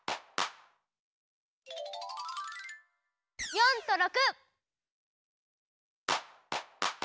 ４と６！